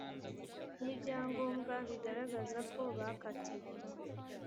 n ibyangombwa bigaragaza ko bakatiwe